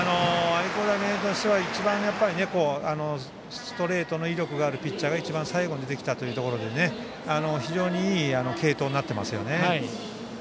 愛工大名電としては一番ストレートの威力があるピッチャーが一番最後に出てきたところで非常にいい継投になっていますね。